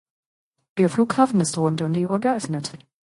Der Flughafen ist rund um die Uhr geöffnet.